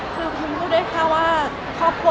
คือผมรู้ได้ค่ะว่า